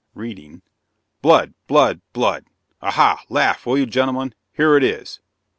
(Reading:) "'Blood, blood, blood!' Aha! laugh, will you, gentlemen? Here it is."